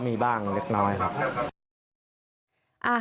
มีบ้างเล็กน้อยครับ